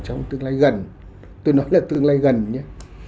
tương lai gần tôi nói là tương lai gần nhé